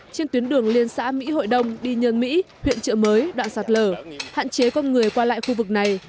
trên tuyến đường liên xã mỹ hội đông đi nhơn mỹ huyện trợ mới đoạn sạt lở hạn chế con người qua lại khu vực này